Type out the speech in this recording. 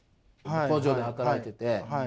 工場で働いてて。